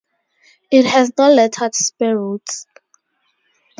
It has no lettered spur routes.